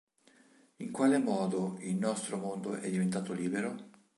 In quale modo il "nostro" mondo è diventato libero?